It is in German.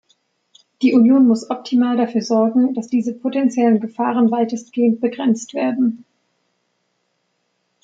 Die Union muss optimal dafür sorgen, dass diese potentiellen Gefahren weitestgehend begrenzt werden.